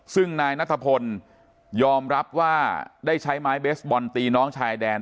ซึ่งนายนัทพลยอมรับว่าได้ใช้ไม้เบสบอลตีน้องชายแดน